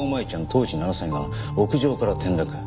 当時７歳が屋上から転落。